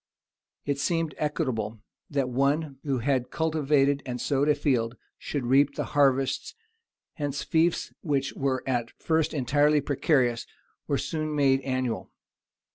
It seemed equitable, that one who had cultivated and sowed a field, should reap the harvest: hence fiefs, which were at first entirely precarious were soon made annual.